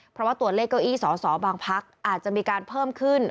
เพราะว่าตัวเลขเก้าอี้สอสอบางพักอาจจะมีการเพิ่มขึ้น